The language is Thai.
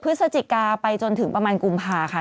พฤศจิกาไปจนถึงประมาณกุมภาค่ะ